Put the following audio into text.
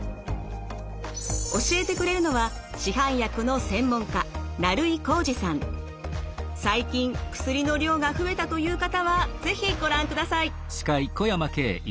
教えてくれるのは市販薬の専門家最近薬の量が増えたという方は是非ご覧ください。